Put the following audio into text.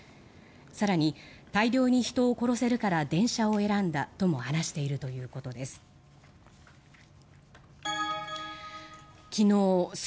更に、大量に人を殺せるから電車を選んだとも話しているということです。